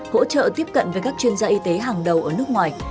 hỗ trợ tiếp cận với các chuyên gia y tế hàng đầu ở nước ngoài